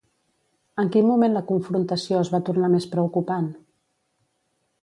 En quin moment la confrontació es va tornar més preocupant?